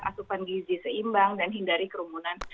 asupan gizi seimbang dan hindari kerumunan